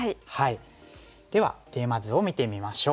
ではテーマ図を見てみましょう。